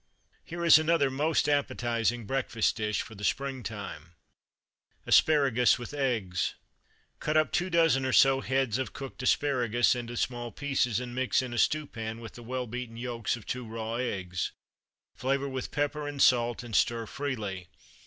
Here is another most appetising breakfast dish for the springtime Asparagus with Eggs. Cut up two dozen (or so) heads of cooked asparagus into small pieces, and mix in a stewpan with the well beaten yolks of two raw eggs. Flavour with pepper and salt, and stir freely.